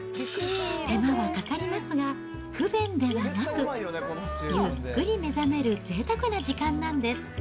手間はかかりますが、不便ではなく、ゆっくり目覚めるぜいたくな時間なんです。